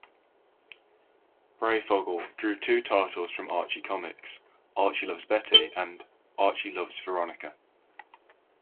Breyfogle drew two titles for Archie Comics: "Archie loves Betty" and "Archie loves Veronica".